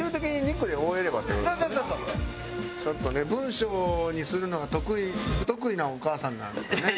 ちょっとね文章にするのが不得意なお母さんなんですかね？